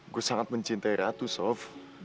gue sangat mencintai ratu soft